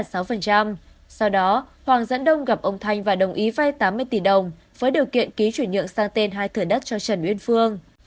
sau đó hoàng dẫn đông gặp ông thanh và đồng ý vay tám mươi tỷ đồng với điều kiện ký chuyển nhượng sang tên hai thửa đất cho trần uyên phương